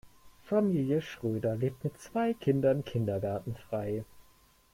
Familie Schröder lebt mit zwei Kindern kindergartenfrei.